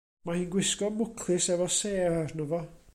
Mae hi'n gwisgo mwclis efo sêr arno fo.